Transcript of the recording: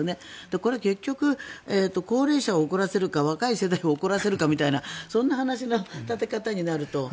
これは結局、高齢者を怒らせるか若い世代を怒らせるかみたいなそんな話の立て方になると。